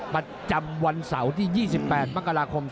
ประจำวันเสาร์ที่๒๘มกราคม